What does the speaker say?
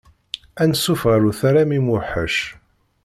Ansuf ɣer Utaram imweḥḥec.